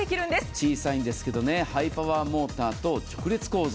小さいんですけどハイパワーモーターと直列構造。